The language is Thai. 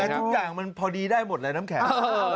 แต่ทุกอย่างมันพอดีได้หมดเลยน้ำแข็ง